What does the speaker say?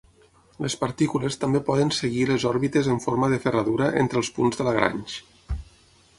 Les partícules també poden seguir les òrbites en forma de ferradura entre els punts de Lagrange.